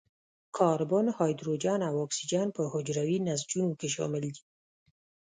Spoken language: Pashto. کاربن، هایدروجن او اکسیجن په حجروي نسجونو کې شامل دي.